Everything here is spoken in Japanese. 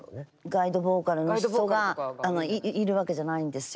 ガイドボーカルの人がいるわけじゃないんですよ